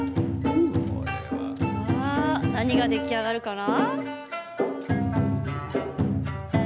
何が出来上がるかな。